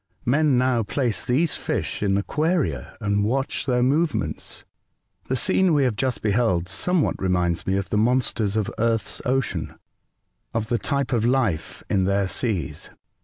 Men now place these fish in aquaria, and watch their movements. The scene we have just beheld somewhat reminds me of the monsters of Earth's ocean, — of the type of life in their seas.